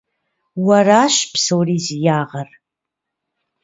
Уэращ псори зи ягъэр!